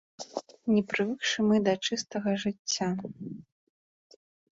Не прывыкшы мы да чыстага жыцця.